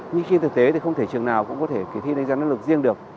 nhưng trên thực tế thì không thể trường nào cũng có thể kỳ thi đánh giá năng lực riêng được